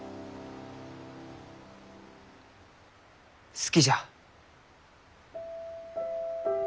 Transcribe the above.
好きじゃ。